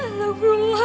alok ruang hati